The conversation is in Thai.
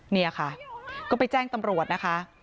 เนี่ยค่ะก็ไปแจ้งตำรวจนะคะ